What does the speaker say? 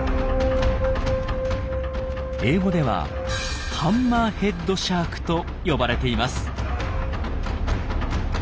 英語では「ハンマーヘッドシャーク」と呼ばれています。